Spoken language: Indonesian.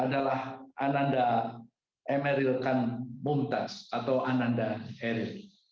adalah ananda emeril kan mumtaz atau ananda eril